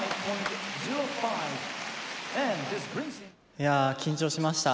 いや緊張しました。